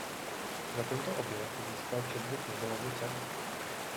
Za tento objev získal Chadwick Nobelovu cenu.